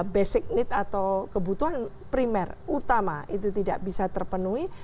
basic need atau kebutuhan primer utama itu tidak bisa terpenuhi